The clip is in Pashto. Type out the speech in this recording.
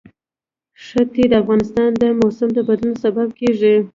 ښتې د افغانستان د موسم د بدلون سبب کېږي.